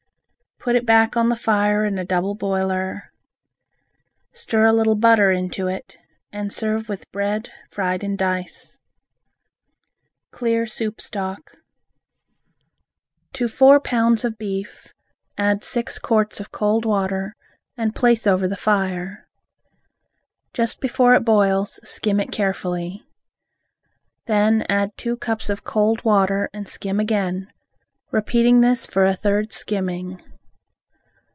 Put it back on the fire in a double boiler. Stir a little butter into it, and serve with bread fried in dice. Clear Soup Stock To four pounds of beef add six quarts of cold water and place over the fire. Just before it boils, skim it carefully. Then add two cups of cold water and skim again, repeating this for a third skimming.